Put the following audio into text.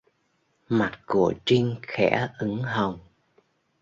Mặt của Trinh khẽ ửng hồng